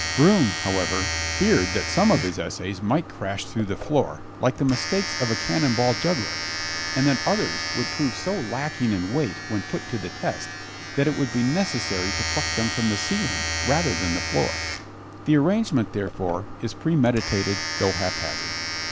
Broun, however, feared that some of his essays might crash through the floor like the mistakes of a cannonball juggler and that others would prove so lacking in weight when put to the test that it would be necessary to pluck them from the ceiling rather than the floor. The arrangement, therefore, is premeditated though haphazard.